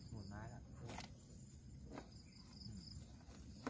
หมุนไม้แล้ว